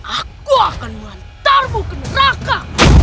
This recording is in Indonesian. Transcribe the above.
aku akan mengantarmu ke neraka